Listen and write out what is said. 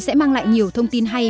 sẽ mang lại nhiều thông tin hay